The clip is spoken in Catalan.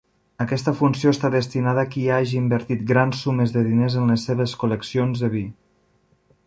Aquesta funció està destinada a qui hagi invertit grans sumes de diners en les seves col·leccions de vi.